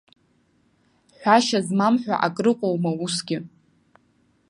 Ҳәашьа змам ҳәа акрыҟоума усгьы!